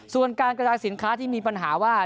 ส่วนการกระจายสินค้าที่มีปัญหาว่า